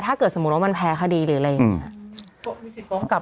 ถ้าเกิดสมมุมว่ามันแพรคดีหรืออะไรอย่างนี้